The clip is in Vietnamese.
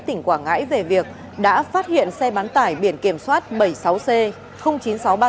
tỉnh quảng ngãi về việc đã phát hiện xe bán tải biển kiểm soát bảy mươi sáu c chín nghìn sáu trăm ba mươi